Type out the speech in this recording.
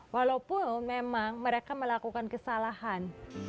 walaupun memang mereka melakukan kesalahan